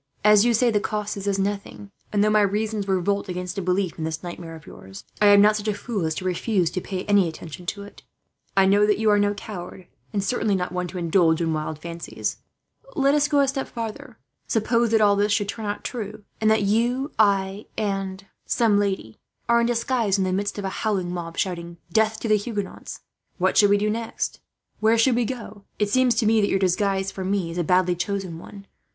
As you say, the cost is as nothing; and though my reason revolts against a belief in this nightmare of yours, I am not such a fool as to refuse to pay any attention to it. I know that you are no coward, and certainly not one to indulge in wild fancies. "Let us go a step farther. Suppose that all this should turn out true, and that you, I, and and some lady are in disguise in the midst of a howling mob shouting, 'Death to the Huguenots!' What should we do next? Where should we go? "It seems to me that your disguise for me is a badly chosen one.